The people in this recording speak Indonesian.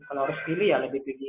kalau harus pilih ya lebih tinggi